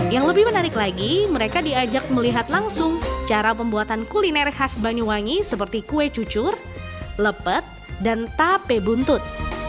yang lebih menarik lagi mereka diajak melihat langsung cara pembuatan kuliner khas banyuwangi seperti kue cucur lepet dan tape buntut